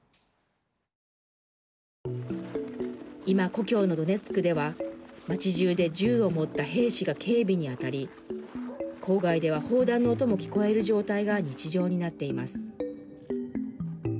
今、故郷のドネツクでは街じゅうで銃を持った兵士が警備にあたり、郊外では砲弾の音も聞こえる状態が日常になっています。